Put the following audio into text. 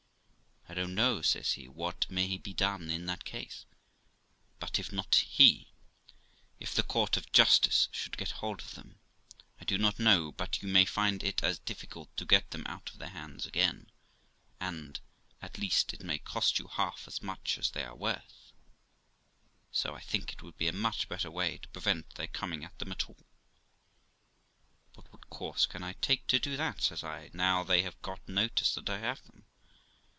'I don't know', says he, 'what may be done in that case; but if not he, if the court of justice should get hold of them, I do not know but you may find it as difficult to get them out of their hands again, and, at least, THE LIFE OF ROXANA 263 it may cost you half as much as they are worth; so I think it would be a much better way to prevent their coming at them at all.' 'But what course can I take to do that', says I, 'now they have got notice that I have them?